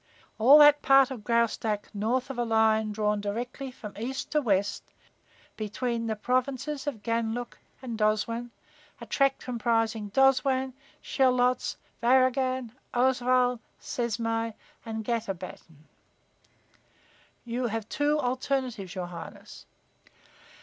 'All that part of Graustark north of a line drawn directly from east to west between the provinces of Ganlook and Doswan, a tract comprising Doswan, Shellotz, Varagan, Oeswald, Sesmai and Gattabatton.' You have two alternatives, your Highness.